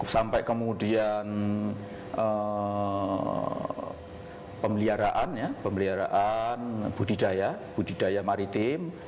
sampai kemudian pemeliharaan ya pemeliharaan budidaya budidaya maritim